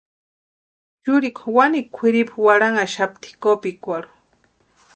Churikwa wanikwa kwʼiripu warhanhaxapti kopikwarhu.